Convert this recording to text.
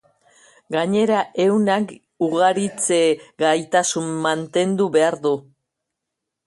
Gainera, ehunak ugaritze-gaitasuna mantendu behar du.